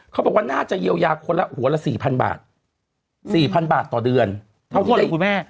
เขาบอกว่าน่าจะเยียวยาคนละหัวละสี่พันบาทสี่พันบาทต่อเดือนเขากดหรือคุณแม่